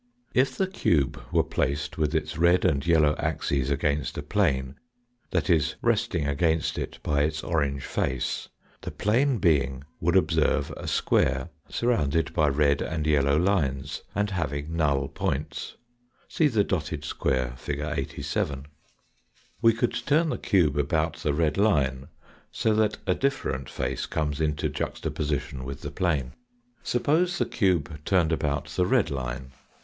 If the cube were placed with its red and yellow axes against a plane, that is resting against it by its orange White Null White Null wH. kce previously perceived Fig. 87. face, the plane being would observe a square surrounded by red and yellow lines, and having null points. See the dotted square, fig. 87. We could turn the cube about the red line so that a different face comes into juxtaposition with the plane. Suppose the cube turned about the red line.